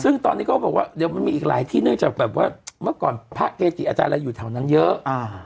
ซึ่งตอนนี้เขาบอกว่าเดี๋ยวมันมีอีกหลายที่เนื่องจากแบบว่าเมื่อก่อนพระเกจิอาจารย์อะไรอยู่แถวนั้นเยอะ